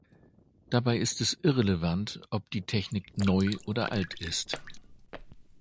Dabei ist es irrelevant, ob die Technik neu oder alt ist.